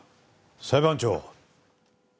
裁判長。